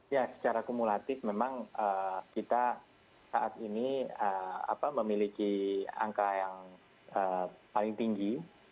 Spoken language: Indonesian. ya secara kumulatif memang kita saat ini memiliki angka yang paling tinggi